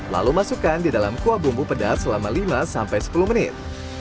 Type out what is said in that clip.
lalu masukkan di dalam kuah bumbu pedas selama lima sampai sepuluh menit